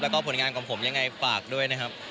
แล้วก็ผลงานของผมยังไงฝากด้วยนะครับ